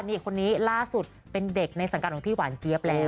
นี่คนนี้ล่าสุดเป็นเด็กในสังกัดของพี่หวานเจี๊ยบแล้ว